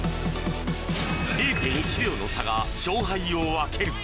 ０．１秒の差が勝敗を分ける。